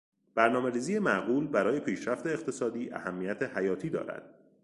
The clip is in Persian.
برنامهریزی معقول برای پیشرفت اقتصادی اهمیت حیاتی دارد.